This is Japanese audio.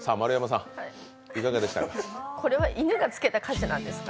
これは犬がつけた歌詞なんですか？